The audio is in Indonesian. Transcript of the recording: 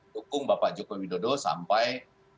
dukung bapak jokowi dodo sampai dua ribu dua puluh empat